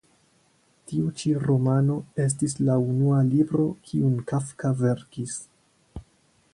Tiu ĉi romano estis la unua libro kiun Kafka verkis.